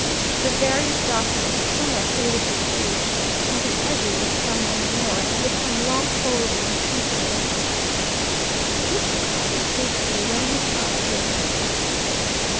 The various documents were somewhat faded with age, and the edges of some were worn as if from long folding and keeping in a pocketbook. Mr. Carless hastily ran his eye over them.